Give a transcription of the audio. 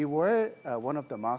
kami adalah salah satu pemimpin pasar